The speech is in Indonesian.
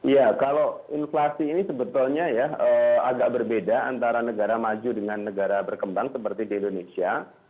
ya kalau inflasi ini sebetulnya ya agak berbeda antara negara maju dengan negara berkembang seperti di indonesia